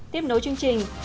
tiếp nối chương trình